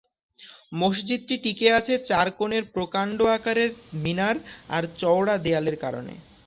মসজিদটি টিকে আছে চার কোণের প্রকাণ্ড আকারের মিনার আর চওড়া দেয়ালের কারণে।